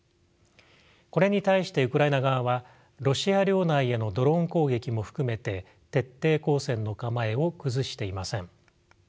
これに対してウクライナ側はロシア領内へのドローン攻撃も含めて徹底抗戦の構えを崩していません。